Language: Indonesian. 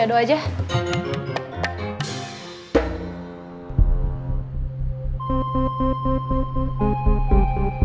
terusin sama coyado aja